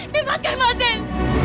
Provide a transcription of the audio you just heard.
bimbaskan mas zain